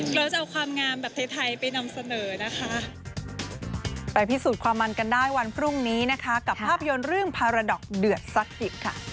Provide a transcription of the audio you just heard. เราจะเอาความงามแบบไทยไปนำเสนอนะคะ